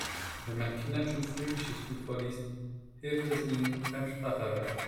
Wenn man Kindern schon früh Geschichten vorliest, hilft es ihnen beim Spracherwerb.